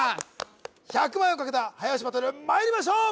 １００万円をかけた早押しバトルまいりましょう